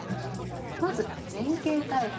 まず前傾タイプ。